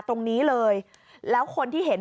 ตรงนี้เลยแล้วคนที่เห็น